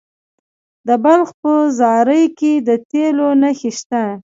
د بلخ په زاري کې د تیلو نښې شته.